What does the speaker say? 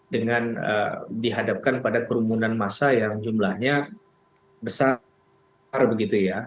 dengan dihadapkan pada kerumunan massa yang jumlahnya besar begitu ya